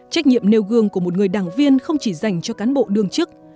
trách nhiệm nêu gương của một người đảng viên không chỉ dành cho cán bộ đương chức